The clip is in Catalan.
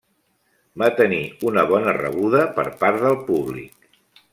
Va tenir una bona rebuda per part del públic.